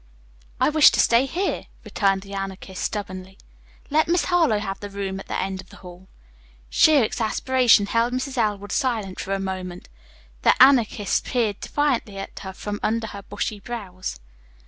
"I wish to stay here," returned the Anarchist stubbornly. "Let Miss Harlowe have the room at the end of the hall." Sheer exasperation held Mrs. Elwood silent for a moment. The Anarchist peered defiantly at her from under her bushy eyebrows.